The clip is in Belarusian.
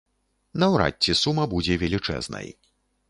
Наўрад ці сума будзе велічэзнай.